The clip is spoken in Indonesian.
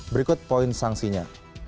berikut poin sangsinya